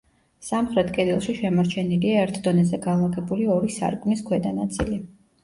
სამხრეთ კედელში შემორჩენილია ერთ დონეზე განლაგებული ორი სარკმლის ქვედა ნაწილი.